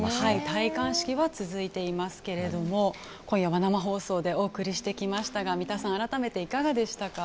戴冠式は続いていますが今夜は生放送でお送りしてきましたが三田さん、改めていかがでしたか？